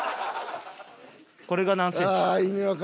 これが何センチですか？